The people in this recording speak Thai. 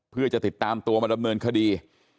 เพื่อจะติดตามตัวมาดำเนินคดี